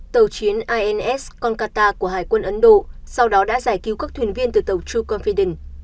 tàu chiến ins konkata của hải quân ấn độ sau đó đã giải cứu các tuyển viên từ tàu true confidence